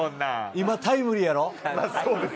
今タイムリーやろ？